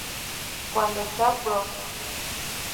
Cuando Shaw Bros.